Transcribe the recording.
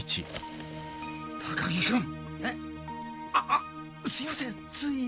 あっすいませんつい。